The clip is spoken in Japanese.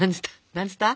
何つった？